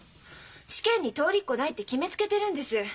試験に通りっこないって決めつけてるんです。